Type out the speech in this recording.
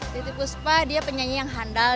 titi puspa dia penyanyi yang handal